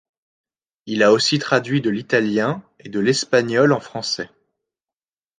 Il a aussi traduit de l’italien et de l’espagnol en français.